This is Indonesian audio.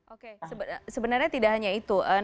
oke sebenarnya tidak hanya itu